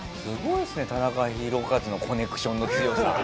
すごいですね田中宏和のコネクションの強さ。